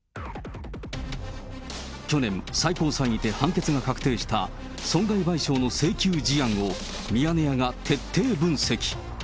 去年、最高裁にて判決が確定した、損害賠償の請求事案をミヤネ屋が徹底分析。